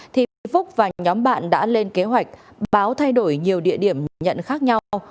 thì bị phúc và nhóm bạn đã lên kế hoạch báo thay đổi nhiều địa điểm nhận khác nhau